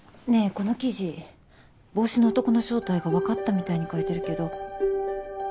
この記事帽子の男の正体がわかったみたいに書いてるけど。